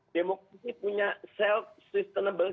demokrasi punya self sustainable